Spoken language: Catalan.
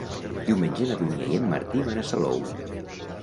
Diumenge na Dúnia i en Martí van a Salou.